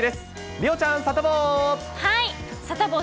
梨央ちゃん、サタボー。